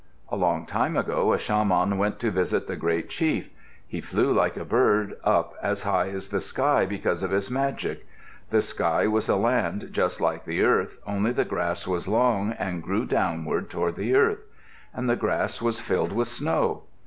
A long time ago a shaman went to visit the great chief. He flew like a bird up as high as the sky because of his magic. The sky was a land just like the earth, only the grass was long, and grew downward toward the earth. And the grass was filled with snow.